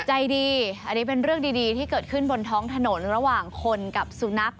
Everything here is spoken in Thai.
ใจดีอันนี้เป็นเรื่องดีที่เกิดขึ้นบนท้องถนนระหว่างคนกับสุนัข